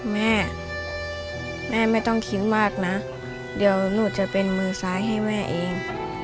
แม่แม่ไม่ต้องคิดมากนะเดี๋ยวหนูจะเป็นมือซ้ายให้แม่เอง